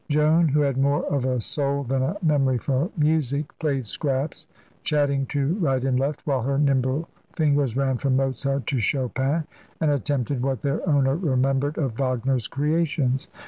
Joan, who had more of a soul than a memory for music, played scraps, chatting to right and left while her nimble fingers ran from Mozart to Chopin and attempted what their owner remembered of Wagner's creations.